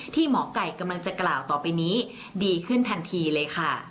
หมอไก่กำลังจะกล่าวต่อไปนี้ดีขึ้นทันทีเลยค่ะ